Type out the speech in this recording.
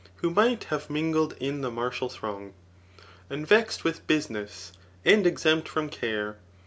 Who might have mingled in the martial throng ; Unvex'd with business, and exempt from care.